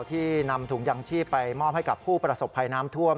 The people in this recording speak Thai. ที่นำถุงยังชีพไปมอบให้กับผู้ประสบภัยน้ำท่วม